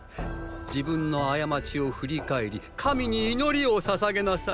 自分の過ちを振り返り神に祈りを捧げなさい。